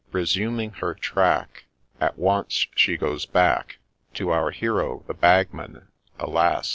. Resuming her track, At once she goes back To our hero, the Bagman — Alas